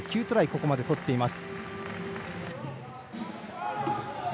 ここまで取っています。